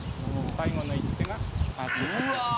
最後の一手が８八竜。